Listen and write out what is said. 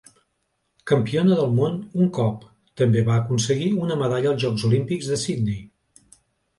Campiona del món un cop, també va aconseguir una medalla als Jocs Olímpics de Sydney.